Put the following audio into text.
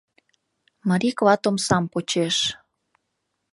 Марий клат омсам почеш.